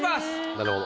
なるほど。